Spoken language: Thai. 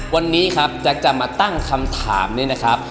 วันนี้ครับแจ๊คจะมาตั้งคำถามนี้นะครับ